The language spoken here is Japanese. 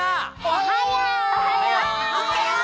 おはよう！